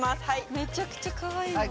めちゃくちゃかわいい。